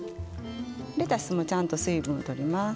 レタスもちゃんと水分を取ります。